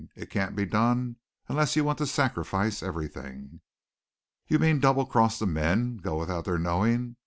It can't be done unless you want to sacrifice everything." "You mean double cross the men? Go without their knowing?